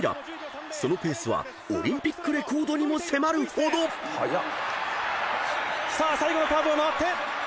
［そのペースはオリンピックレコードにも迫るほど］さあ最後のカーブを回って。